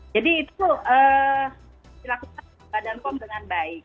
jadi itu dilakukan oleh badan pom dengan baik